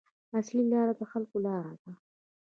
اصلي لاره د خلکو لاره ده.